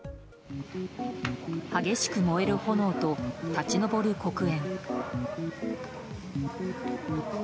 激しく燃える炎と立ち上る黒煙。